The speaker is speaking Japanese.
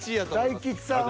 大吉さんは。